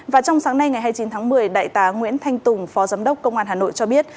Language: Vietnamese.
và trong sáng nay ngày hai mươi chín tháng một mươi đại tá nguyễn thanh tùng phó giám đốc công an hà nội cho biết